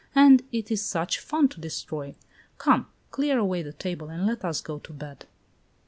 And it is such fun to destroy! Come, clear away the table and let us go to bed."